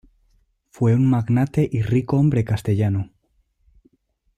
Fue un magnate y ricohombre castellano.